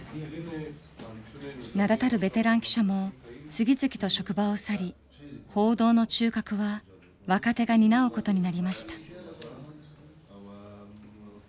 名だたるベテラン記者も次々と職場を去り報道の中核は若手が担うことになりました。